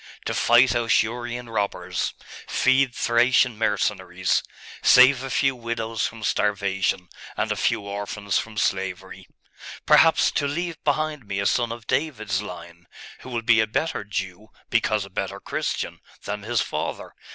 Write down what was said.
To fight Ausurian robbers, feed Thracian mercenaries, save a few widows from starvation, and a few orphans from slavery.... Perhaps to leave behind me a son of David's line, who will be a better Jew, because a better Christian, than his father....